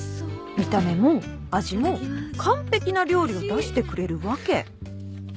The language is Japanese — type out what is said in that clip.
見た目も味も完璧な料理を出してくれるわけ。